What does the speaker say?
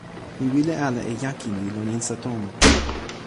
mi wile ala e jaki ni lon insa tomo.